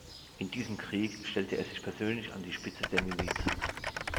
In diesem Krieg stellte er sich persönlich an die Spitze der Miliz.